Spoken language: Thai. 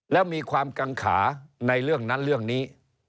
แล้วมีความกังขาในเรื่องนั้นเรื่องนี้